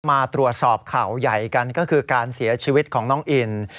มาตรวจสอบข่าวใหญ่กันก็คือการเสียชีวิตของน้องอิน